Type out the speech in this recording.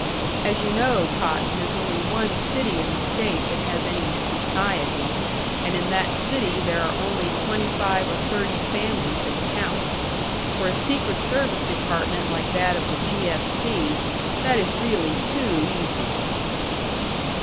As you know, Cotton, there's only one city in the state that has any 'society,' and in that city there are only twenty five or thirty families that count. For a secret service department like that of the 'G. F. C.', that is really too easy."